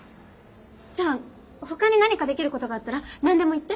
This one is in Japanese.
じゃあほかに何かできることがあったら何でも言って。